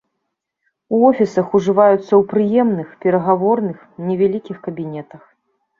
У офісах ужываецца ў прыёмных, перагаворных, невялікіх кабінетах.